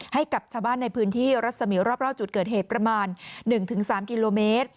ให้กับชาวบ้านในพื้นที่รัศมีร์รอบจุดเกิดเหตุประมาณ๑๓กิโลเมตร